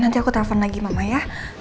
nanti aku telepon lagi mama ya